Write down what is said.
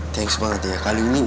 teks banget ya kali ini